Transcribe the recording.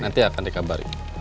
nanti akan dikabari